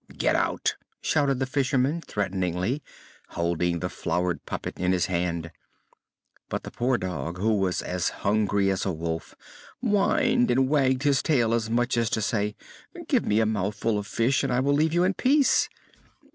"Get out!" shouted the fisherman, threateningly, holding the floured puppet in his hand. But the poor dog, who was as hungry as a wolf, whined and wagged his tail as much as to say: "Give me a mouthful of fish and I will leave you in peace."